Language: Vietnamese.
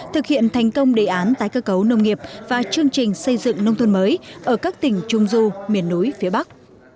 thực hiện thành công đề án tái cơ cấu nông nghiệp và chương trình xây dựng nông thôn mới ở các tỉnh trung du miền núi phía bắc